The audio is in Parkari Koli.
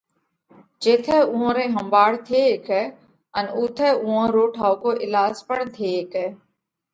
جيٿئہ اُوئون رئِي ۿمڀاۯ ٿي هيڪئہ ان اُوٿئہ اُوئون رو ٺائُوڪو ايلاز پڻ ٿي هيڪئہ۔